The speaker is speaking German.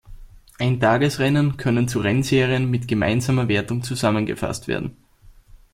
Eintagesrennen können zu "Rennserien" mit gemeinsamer Wertung zusammengefasst werden.